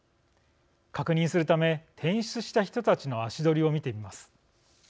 確認するため、転出した人たちの足取りを見てみます。